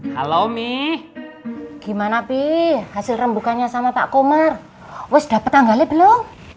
halo halo mi gimana pih hasil rembukannya sama pak komar wes dapet tanggalnya belum